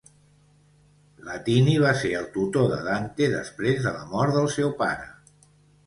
Latini va ser el tutor de Dante després de la mort del seu pare.